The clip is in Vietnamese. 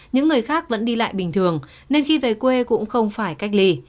những người khác vẫn đi lại bình thường nên khi về quê cũng không phải cách ly